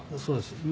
そうです。